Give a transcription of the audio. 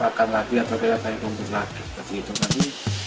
makan lagi atau tarik rumput lagi